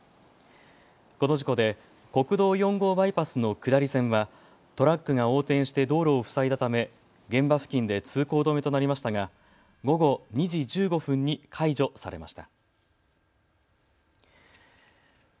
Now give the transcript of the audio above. この事故で国道４号バイパスの下り線はトラックが横転して道路を塞いだため現場付近で通行止めとなりましたが午後２時１５分に解除されました。